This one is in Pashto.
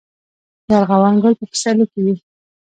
د ارغوان ګل په پسرلي کې وي